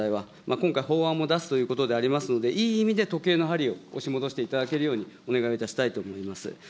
今回、法案も出すということでありますので、いい意味で時計の針を押し戻していただけるようにお願いをいたしたいと思います。